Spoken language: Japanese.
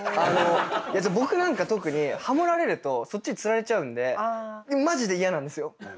僕なんか特にハモられるとそっちに釣られちゃうんでマジで嫌なんですよ。